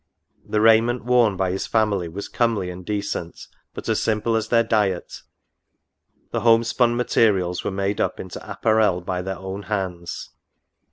The raiment worn by his family was comely and decent, but as simple as their diet ; the home spun materials were made up into apparel by their own hands.